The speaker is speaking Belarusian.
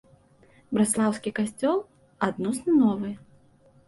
Браслаўскі касцёл адносна новы.